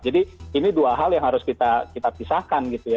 jadi ini dua hal yang harus kita pisahkan gitu ya